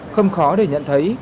không khó để nhận thấy